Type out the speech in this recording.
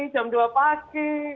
jam dua pagi